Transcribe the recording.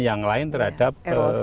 yang lain terhadap